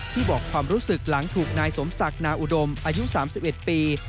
บอกความรู้สึกหลังถูกนายสมศักดิ์นาอุดมอายุ๓๑ปี